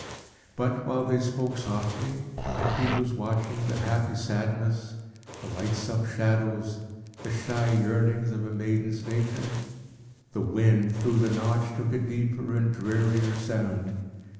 But, while they spoke softly, and he was watching the happy sadness, the lightsome shadows, the shy yearnings of a maiden's nature, the wind, through the Notch, took a deeper and drearier sound.